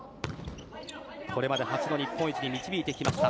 これまで８度日本一に導いてきました。